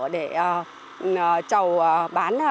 để chầu bán